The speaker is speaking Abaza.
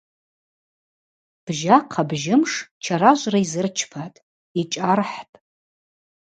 Бжьахъа-бжьымш чаражвра йзырчпатӏ, йчӏархӏтӏ.